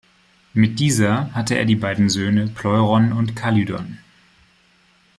Mit dieser hatte er die beiden Söhne Pleuron und Kalydon.